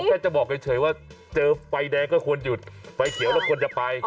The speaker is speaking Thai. แค่จะบอกเฉยว่าเจอไฟแดงก็ควรหยุดไฟเขียวแล้วควรจะไป